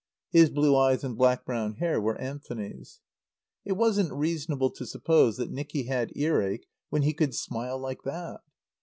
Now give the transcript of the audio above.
(His blue eyes and black brown hair were Anthony's.) It wasn't reasonable to suppose that Nicky had earache when he could smile like that.